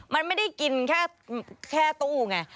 มันไม่ได้กินแค่ตู้ไง